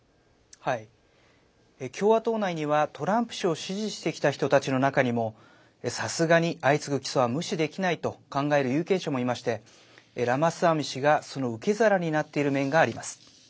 共和党内には、トランプ氏を支持してきた人たちの中にもさすがに相次ぐ起訴は無視できないと考える有権者もいましてラマスワミ氏がその受け皿になっている面があります。